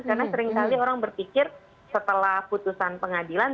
karena sering kali orang berpikir setelah putusan pengadilan